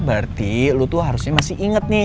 berarti lu tuh harusnya masih inget nih